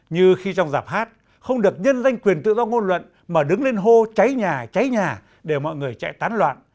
như khi trong giảp hát không được nhân danh quyền tự do ngôn luận mà đứng lên hô cháy nhà cháy nhà để mọi người chạy tán loạn